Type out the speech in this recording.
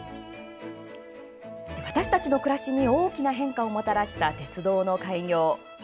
私たちの暮らしに大きな変化をもたらした鉄道の開業。